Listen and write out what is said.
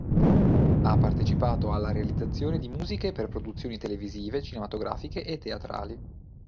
Ha partecipato alla realizzazione di musiche per produzioni televisive, cinematografiche e teatrali.